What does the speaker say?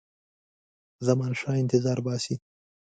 زمانشاه انتظار باسي.